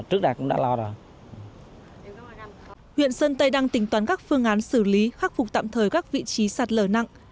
để đồng bào ở đây khắc phục tạm thời các vị trí sạt lở nặng